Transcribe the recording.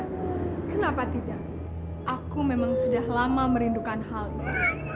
kenapa tidak aku memang sudah lama merindukan hal ini